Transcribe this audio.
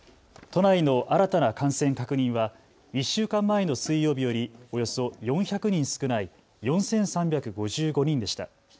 都内の新たな感染確認は１週間前の水曜日よりおよそ４００人少ない４３５５人でした。